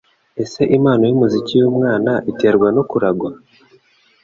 Ese impano yumuziki yumwana iterwa no kuragwa?